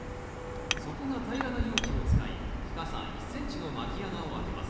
底が平らな容器を使い深さ１ｃｍのまき穴を開けます。